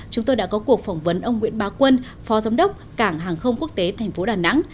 chúng tôi đã có cuộc phỏng vấn ông nguyễn bá quân phó giám đốc cảng hàng không quốc tế thành phố đà nẵng